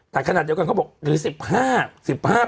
แต่ขนาดเดียวกันเขาบอก๑๕